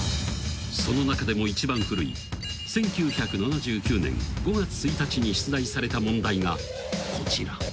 ［その中でも一番古い１９７９年５月１日に出題された問題がこちら］